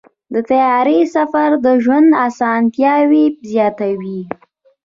د طیارې سفر د ژوند اسانتیاوې زیاتوي.